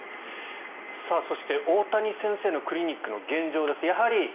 大谷先生のクリニックの現状です。